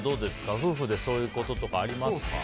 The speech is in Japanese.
夫婦でそういうこととかありますか？